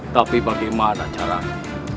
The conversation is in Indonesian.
tapi bagaimana caranya